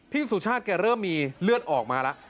สุชาติแกเริ่มมีเลือดออกมาแล้ว